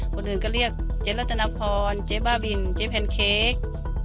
คนอื่นก็เรียกเจ๊รัตนพรเจ๊บ้าบินเจ๊แพนเค้ก